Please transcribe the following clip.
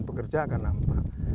pekerja akan nampak